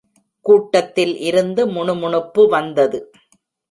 கூட்டத்தில் இருந்து முணுமுணுப்பு வந்தது.